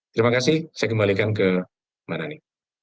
terima kasih saya kembalikan ke manani